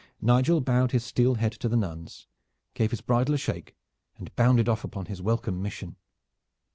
Nigel bowed his steel head to the nuns, gave his bridle a shake, and bounded off upon his welcome mission.